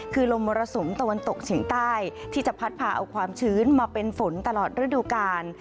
คือลมมรสุมตะวันตกเฉียงใต้ที่จะพัดพาเอาความชื้นมาเป็นฝนตลอดฤดูกาล